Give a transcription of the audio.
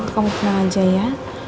kamu tenang aja ya